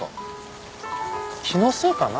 気のせいかな。